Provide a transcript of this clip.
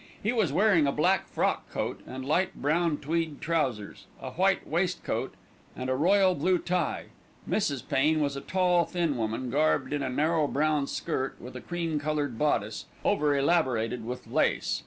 He was wearing a black frock coat and light brown tweed trousers, a white waistcoat and a royal blue tie. Mrs. Pain was a tall thin woman, garbed in a narrow brown skirt with a cream coloured bodice, over elaborated with lace.